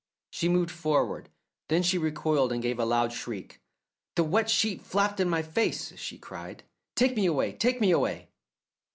She moved forward. Then she recoiled and gave a loud shriek. "The wet sheet flapped in my face," she cried. "Take me away, take me away!"